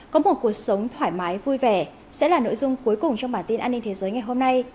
có một cuộc sống thoải mái vui vẻ sẽ là nội dung cuối cùng trong bản tin an ninh thế giới ngày hôm nay